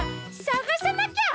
さがさなきゃ！